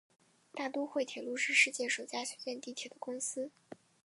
大都会铁路是世界首家修建地铁的公司。